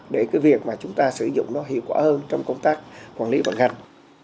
để việc chúng ta sử dụng nó hiệu quả hơn trong công tác quản lý vận hành